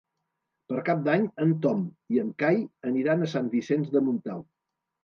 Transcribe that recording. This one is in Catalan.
Per Cap d'Any en Tom i en Cai aniran a Sant Vicenç de Montalt.